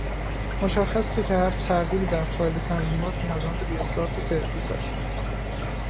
مشخصه که هر تغییری در فایل تنظیمات نیازمند ری استارت سرویس است.